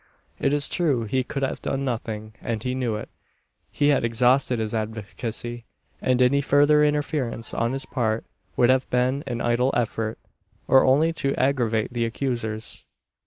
It is true he could have done nothing, and he knew it. He had exhausted his advocacy; and any further interference on his part would have been an idle effort, or only to aggravate the accusers.